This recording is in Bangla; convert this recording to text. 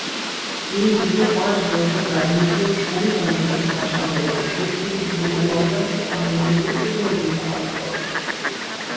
তিনি দীর্ঘ পাঁচ দশক রাজনীতি ও শ্রমিক আন্দোলন, ভাষা আন্দোলন, মুক্তিযুদ্ধ ও গণতান্ত্রিক আন্দোলনে গুরুত্বপূর্ণ ভূমিকা পালন করেন।